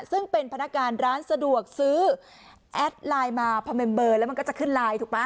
ซึ่งเป็นพนักการร้านสะดวกซื้อแอดไลน์มาพอเมมเบอร์แล้วมันก็จะขึ้นไลน์ถูกไหม